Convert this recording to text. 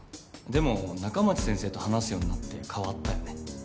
でも仲町先生と話すようになって変わったよね